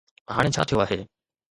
هاڻي ڇا ٿيو آهي؟